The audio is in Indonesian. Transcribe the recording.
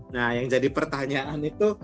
nah yang jadi pertanyaan itu